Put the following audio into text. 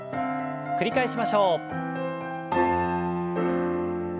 繰り返しましょう。